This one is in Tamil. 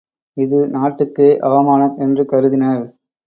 இது நாட்டுக்கே அவமானம் என்று கருதினர்.